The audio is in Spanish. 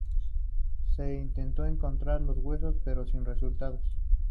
Se intentó encontrar los huesos pero sin resultado.